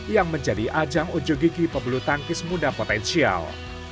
yang menjadi ajang ujogigi pembulu tangkis muda potensial